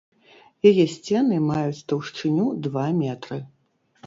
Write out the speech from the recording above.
Яе сцены маюць таўшчыню два метры.